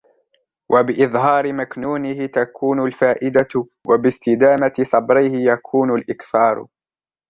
وَبِإِظْهَارِ مَكْنُونِهِ تَكُونُ الْفَائِدَةُ وَبِاسْتِدَامَةِ صَبْرِهِ يَكُونُ الْإِكْثَارُ